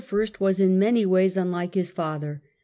was in many ways unlike his father.